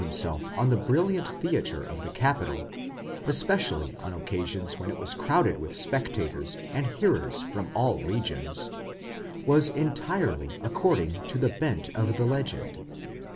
himself on the brilliant theatre of the capital, especially on occasions when it was crowded with spectators and hearers from all regions, was entirely ac cording to the bent of the legend.